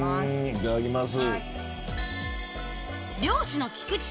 いただきます。